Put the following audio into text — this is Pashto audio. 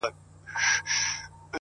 هره تجربه نوی حکمت زېږوي،